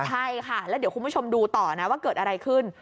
ใช่ค่ะแล้วเดี๋ยวคุณผู้ชมดูต่อนะว่าเกิดอะไรขึ้น